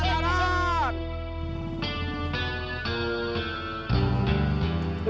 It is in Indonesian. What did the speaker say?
pasik pasik pasik